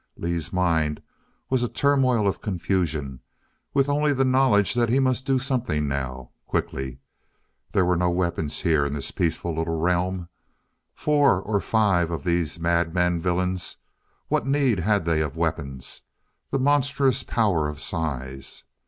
Lee's mind was a turmoil of confusion, with only the knowledge that he must do something now, quickly. There were no weapons here in this peaceful little realm. Four or five of these madmen villains what need had they of weapons? The monstrous power of size.